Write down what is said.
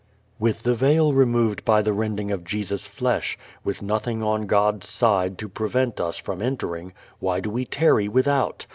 With the veil removed by the rending of Jesus' flesh, with nothing on God's side to prevent us from entering, why do we tarry without?